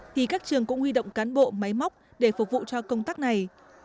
thì các trường cũng huy động cán bộ máy móc để phục vụ cho công tác này